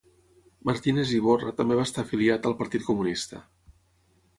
Martínez Iborra també va estar afiliat al Partit Comunista.